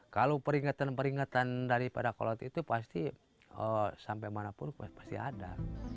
kalau peringatan peringatan dari para kolat itu pasti sampai mana pun pasti ada